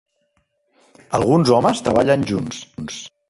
Alguns homes treballen junts.